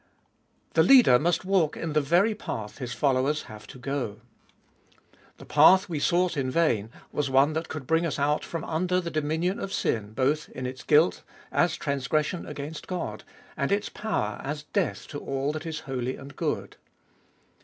The leader must walk in the very path his folloivers have to go. — The path we sought in vain was one that could bring us out from under the dominion of sin, both in its guilt as transgression against God, and its power as death to all that is holy and good.